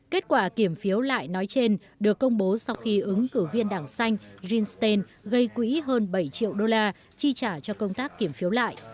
kết quả kiểm phiếu lại nói trên được công bố sau khi ứng cử viên đảng xanh jinstein gây quỹ hơn bảy triệu đô la chi trả cho công tác kiểm phiếu lại